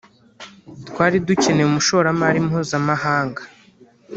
twari dukeneye umushoramari mpuzamahanga